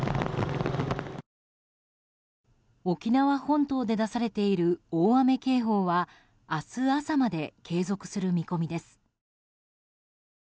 沖縄本島で出されている大雨警報は明日朝まで継続する見込みです。